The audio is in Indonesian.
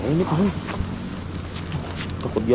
untuk membuat tanah yang lebih mudah untuk dikembangkan